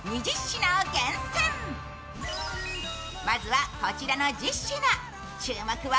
まずはこちらの１０品。